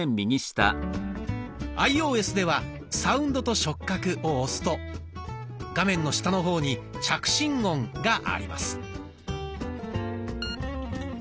アイオーエスでは「サウンドと触覚」を押すと画面の下の方に「着信音」があります。